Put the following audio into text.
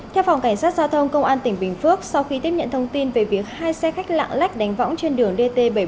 theo phòng cảnh sát giao thông công an tỉnh bình phước sau khi tiếp nhận thông tin về việc hai xe khách lạng lách đánh võng trên đường dt bảy trăm bốn mươi